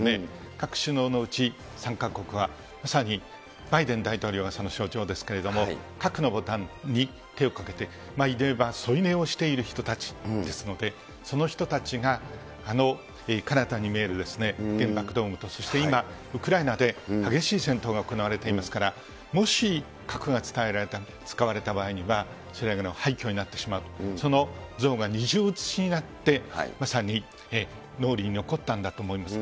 各首脳のうち、参加国はまさにバイデン大統領がその象徴ですけれども、核のボタンに手をかけて、いわば添い寝をしている人たちですので、その人たちがあのかなたに見えるですね、原爆ドームと、そして今、ウクライナで激しい戦闘が行われていますから、もし核が使われた場合にはそれが廃虚になってしまう、その像が二重写しになって、まさに脳裏に残ったんだと思います。